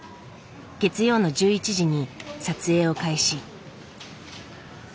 月曜の１１時に撮影を開始。